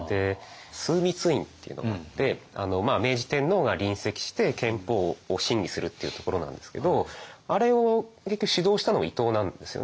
枢密院っていうのがあって明治天皇が臨席して憲法を審議するっていうところなんですけどあれを結局指導したのも伊藤なんですよね。